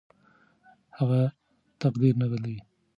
هڅه تقدیر نه بدلوي.